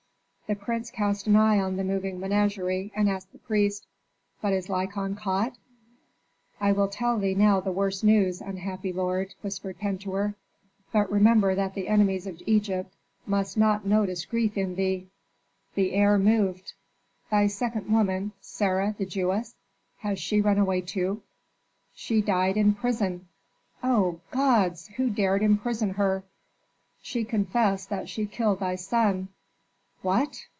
The prince cast an eye on the moving menagerie, and asked the priest, "But is Lykon caught?" "I will tell thee now the worst news, unhappy lord," whispered Pentuer. "But remember that the enemies of Egypt must not notice grief in thee." The heir moved. "Thy second woman, Sarah the Jewess " "Has she run away too?" "She died in prison." "O gods! Who dared imprison her?" "She confessed that she killed thy son." "What?"